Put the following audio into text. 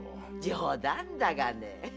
冗談だがね！